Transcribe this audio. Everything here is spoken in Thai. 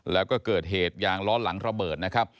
แล้วก็เกิดเหตุยางล้อหลังระเบิดนะครับ